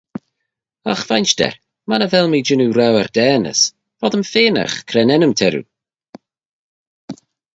Agh vainshter, mannagh vel mee jannoo rour daanys, voddym fenagh cre'n ennym t'erriu?